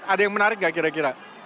ada yang menarik nggak kira kira